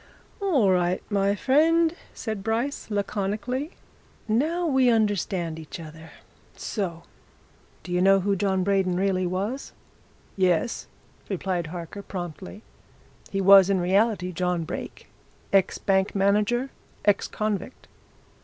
"All right, my friend," said Bryce, laconically. "Now we understand each other. So do you know who John Braden really was?" "Yes!" replied Harker, promptly. "He was in reality John Brake, ex bank manager, ex convict."